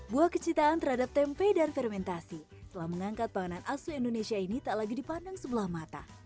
buah kecitaan terhadap tempe dan fermentasi telah mengangkat panganan asu indonesia ini tak lagi dipandang sebelah mata